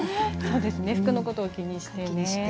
服のことを気にして。